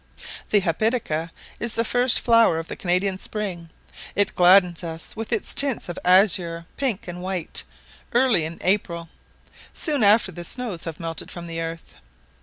The hepatica is the first flower of the Canadian spring: it gladdens us with its tints of azure, pink, and white, early in April, soon after the snows have melted from the earth.